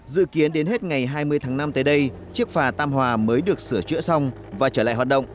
dự kiến đến hết ngày hai mươi tháng năm tới đây chiếc phà tam hòa mới được sửa chữa xong và trở lại hoạt động